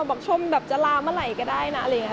บอกชมแบบจะลาเมื่อไหร่ก็ได้นะอะไรอย่างนี้